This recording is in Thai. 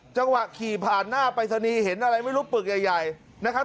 จังหวะขี่ผ่านหน้าปรายศนีย์เห็นอะไรไม่รู้ปึกใหญ่นะครับ